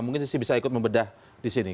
mungkin sisi bisa ikut membedah di sini